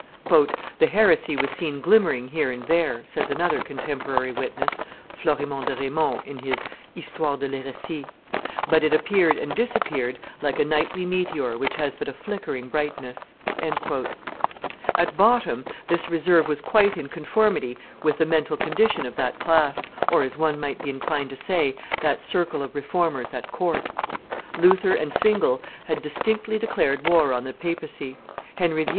. "The heresy was seen glimmering here and there," says another contemporary witness [Florimond de Raimond in his Histoire de l'Heresie], "but it appeared and disappeared like a nightly meteor which has but a flickering brightness." At bottom this reserve was quite in conformity with the mental condition of that class, or as one might he inclined to say, that circle of Reformers at court. Luther and Zwingle had distinctly declared war on the papacy; Henry VIII.